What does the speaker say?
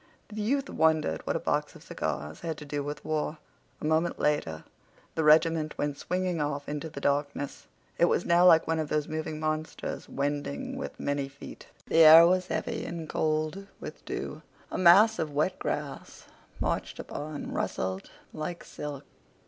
The youth wondered what a box of cigars had to do with war. A moment later the regiment went swinging off into the darkness. It was now like one of those moving monsters wending with many feet. The air was heavy, and cold with dew. A mass of wet grass, marched upon, rustled like silk.